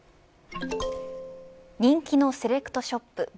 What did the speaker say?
人気のセレクトショップ